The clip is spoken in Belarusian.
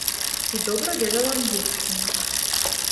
І добра ведала ангельскую.